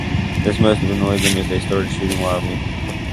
This must have annoyed them as they started shooting wildly.